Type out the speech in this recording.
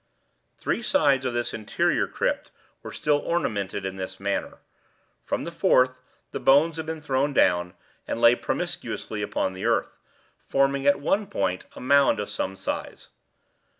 Three sides of this interior crypt were still ornamented in this manner. From the fourth the bones had been thrown down, and lay promiscuously upon the earth, forming at one point a mound of some size.